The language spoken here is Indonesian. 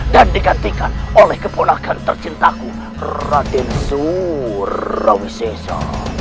dan digantikan oleh keponakan tercintaku raden surawisesa